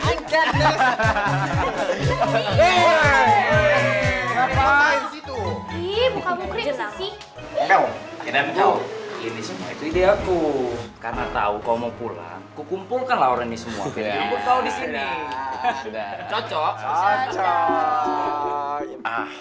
itu ini semua itu ide aku karena tahu kau mau pulang kukumpulkan lauren ismu disini cocok cocok